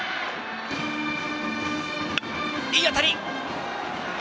いい当たり。